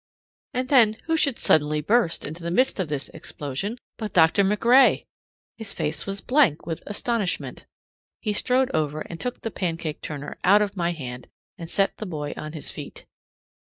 And then who should suddenly burst into the midst of this explosion but Dr. MacRae! His face was blank with astonishment. He strode over and took the pancake turner out of my hand and set the boy on his feet.